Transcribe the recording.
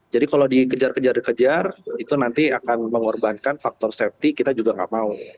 jadi kalau dikejar kejar kejar itu nanti akan mengorbankan faktor safety kita juga nggak mau